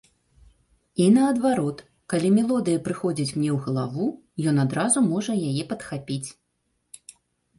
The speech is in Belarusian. І, наадварот, калі мелодыя прыходзіць мне ў галаву, ён адразу можа яе падхапіць.